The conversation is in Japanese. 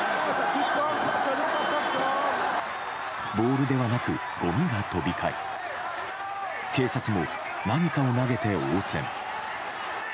ボールではなく、ごみが飛び交い警察も何かを投げて応戦。